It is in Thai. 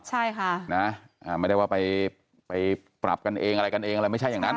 ใช่ค่ะนะไม่ได้ว่าไปปรับกันเองอะไรกันเองอะไรไม่ใช่อย่างนั้น